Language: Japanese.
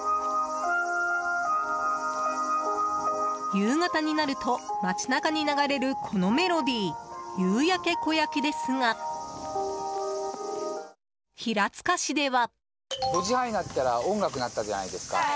夕方になると街中に流れるこのメロディー「夕焼け小焼け」ですが平塚市では。